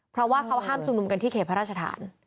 เพราะว่าเขาห้ามชุมนุมกันที่เขตพระราชฐาน